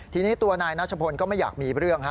ทีนี้ตัวนายนัชพลก็ไม่อยากมีเรื่อง